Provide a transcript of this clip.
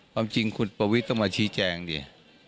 ความจริงคุณประวิทย์ต้องมาชี้แจงดิ